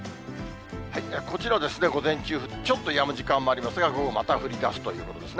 こちらは、午前中ちょっとやむ時間もありますが、午後また降りだすということですね。